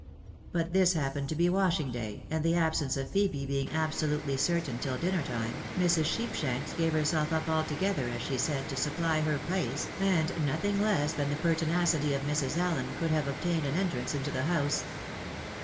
But this happened to be washing day, and the absence of Phebe being absolutely certain till dinner time, Mrs. Sheepshanks gave herself up alto gether, as she said, to supply her place, and nothing less than the pertinacity of Mrs. Allen could have obtained an entrance into the house.